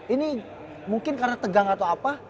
ini mungkin karena tegang atau apa